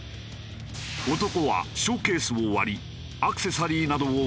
男はショーケースを割りアクセサリーなどを奪った。